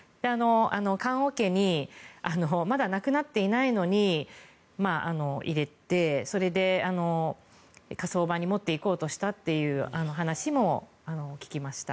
棺桶にまだ亡くなっていないのに入れてそれで火葬場に持っていこうとしたという話も聞きました。